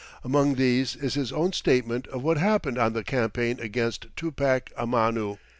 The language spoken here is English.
Among these is his own statement of what happened on the campaign against Tupac Amaru.